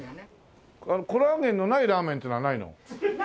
コラーゲンのないラーメンっていうのはないの？